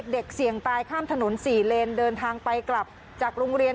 เด็กเสี่ยงตายข้ามถนน๔เลนเดินทางไปกลับจากโรงเรียน